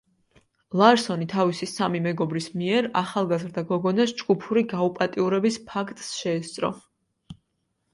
ლარსონი თავისი სამი მეგობრის მიერ ახალგაზრდა გოგონას ჯგუფური გაუპატიურების ფაქტს შეესწრო.